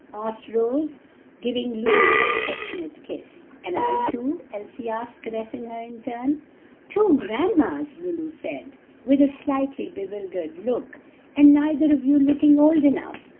asked Rose, giving Lulu an affectionate kiss. "And I too?" Elsie asked, caressing her in her turn. "Two grandmas!" Lulu said, with a slightly bewildered look, "and neither of you looking old enough.